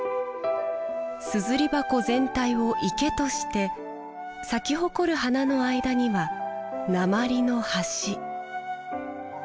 硯箱全体を池として咲き誇る花の間には鉛の橋。